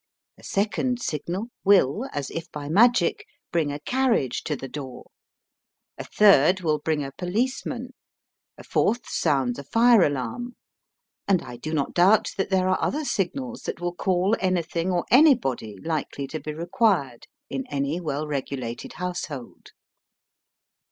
A second signal will, as if by magic, bring a carriage to the door; a third will bring a policeman ; a fourth sounds a fire alarm; and I do not doubt that there are other signals that will call anything or anybody likely to be required in any well regulated household.